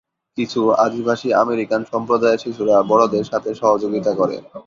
কিছু আদিবাসী আমেরিকান সম্প্রদায়ের শিশুরা বড়দের সাথে সহযোগিতা করে।